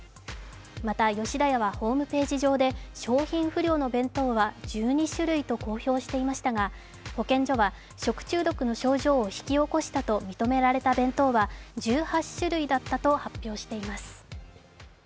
また、吉田屋はホームページ上で商品不良の弁当は１２種類と公表していましたが保健所は、食中毒の症状を引き起こしたと認められた弁当は１８種類だったと発表しています。